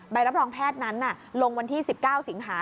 ใบรับรองแพทย์นั้นลงวันที่๑๙สิงหา